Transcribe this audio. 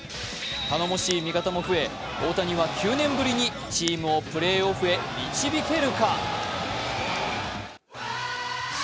頼もしい味方も増え、大谷は９年ぶりにチームをプレーオフへ導けるか。